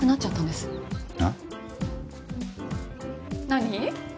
何？